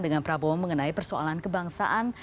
dengan prabowo mengenai persoalan kebangsaan